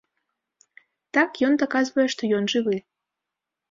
Так ён даказвае, што ён жывы.